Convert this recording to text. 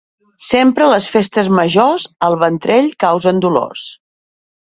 Sempre les festes majors al ventrell causen dolors.